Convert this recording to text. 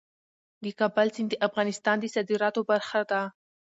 د کابل سیند د افغانستان د صادراتو برخه ده.